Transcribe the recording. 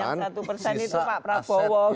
yang satu persen itu pak prabowo gitu loh